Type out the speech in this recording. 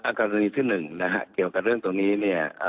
อักษรณี๑นะฮะเกี่ยวกับเรื่องตรงนี้